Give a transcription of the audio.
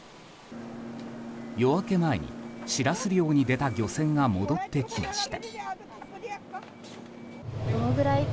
夜明け前にシラス漁に出た漁船が戻ってきました。